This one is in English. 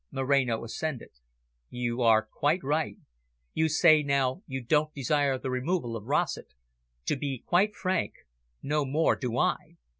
Moreno assented. "You are quite right. You say you now don't desire the removal of Rossett. To be quite frank, no more do I."